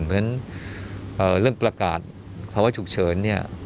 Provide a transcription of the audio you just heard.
เพราะฉะนั้นเรื่องประกาศภาวะฉุกเฉินเนี่ย